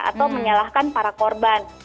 atau menyalahkan para korban